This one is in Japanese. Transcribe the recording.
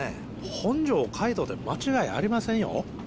本条海斗で間違いありませんよ